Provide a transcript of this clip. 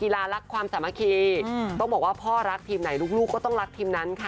รักความสามัคคีต้องบอกว่าพ่อรักทีมไหนลูกก็ต้องรักทีมนั้นค่ะ